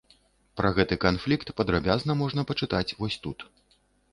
Пра гэты канфлікт падрабязна можна пачытаць вось тут.